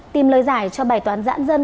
tìm lời giải cho bài toán dãn dân